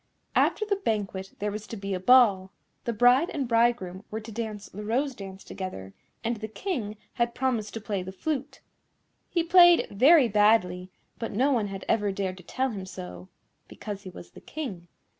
After the banquet there was to be a Ball. The bride and bridegroom were to dance the Rose dance together, and the King had promised to play the flute. He played very badly, but no one had ever dared to tell him so, because he was the King.